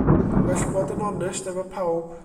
Gwell bod yn onest efo pawb.